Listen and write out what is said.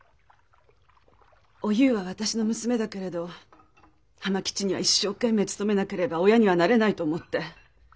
おゆうは私の娘だけれど浜吉には一生懸命努めなければ親にはなれないと思って。